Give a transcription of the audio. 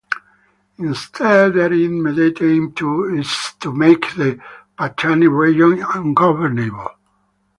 Instead their immediate aim is to make the Patani region ungovernable.